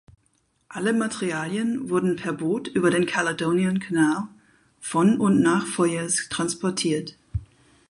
Alle Materialien wurden per Boot über den Caledonian Canal von und nach Foyers transportiert.